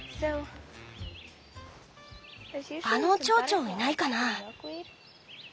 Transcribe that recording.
あのチョウチョウいないかなあ？